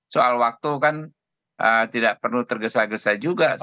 soal waktu kan tidak perlu tergesa gesa juga